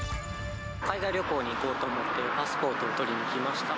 海外旅行に行こうと思って、パスポートを取りに来ました。